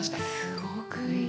すごくいい。